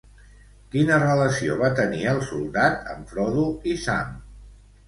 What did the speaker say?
Quina relació va tenir el soldat amb Frodo i Sam?